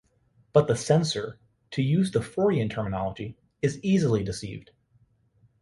But the ‘censor’, to use the Freudian terminology, is easily deceived.